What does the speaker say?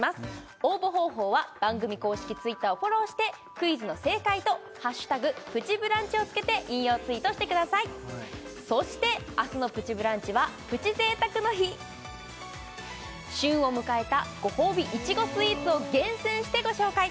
応募方法は番組公式Ｔｗｉｔｔｅｒをフォローしてクイズの正解と「＃プチブランチ」をつけて引用ツイートしてくださいそして明日の「プチブランチ」はプチ贅沢の日旬を迎えたご褒美いちごスイーツを厳選してご紹介！